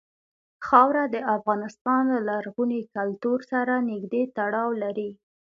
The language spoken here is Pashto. خاوره د افغانستان له لرغوني کلتور سره نږدې تړاو لري.